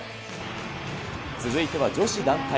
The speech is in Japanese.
続いては女子団体。